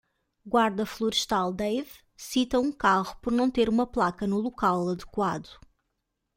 Guarda florestal Dave cita um carro por não ter uma placa no local adequado